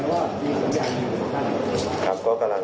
ก็ไม่รู้แนะนำว่ามีสัญญาณอยู่ของท่าน